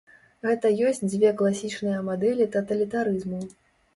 Гэта ёсць дзве класічныя мадэлі таталітарызму.